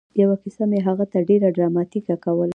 یوه کیسه مې هغه ته ډېره ډراماتيکه کوله